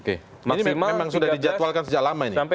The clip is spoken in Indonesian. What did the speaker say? ini memang sudah dijadwalkan sejak lama ini